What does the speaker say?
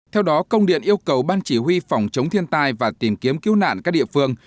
theo đó công điện yêu cầu ban chỉ huy phòng chống thiên tai và tìm kiếm cứu nạn các địa phương